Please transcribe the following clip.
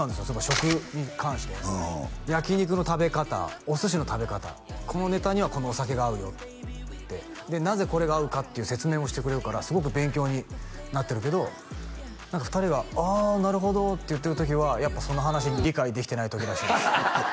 食に関してうん焼き肉の食べ方お寿司の食べ方このネタにはこのお酒が合うよってなぜこれが合うかっていう説明もしてくれるからすごく勉強になってるけど何か２人が「あなるほど」って言ってる時はやっぱその話に理解できてない時らしいです